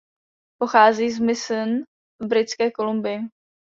Pochází z Mission v Britské Kolumbii.